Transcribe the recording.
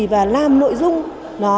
và làm nội dung nó